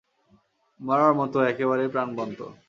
মরার মত, একেবারে প্রাণবন্ত।